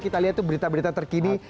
kita lihat tuh berita berita terkini